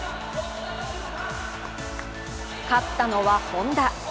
勝ったのは本多。